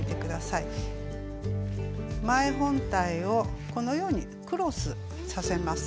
前本体をこのようにクロスさせます。